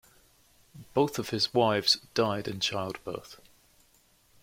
Both of his wives died in childbirth.